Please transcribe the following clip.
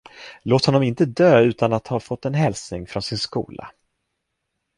Låt honom inte dö utan att ha fått en hälsning från sin skola!